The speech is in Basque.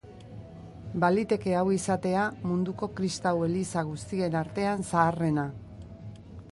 Baliteke hau izatea munduko kristau eliza guztien artean zaharrena.